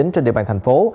trên địa bàn thành phố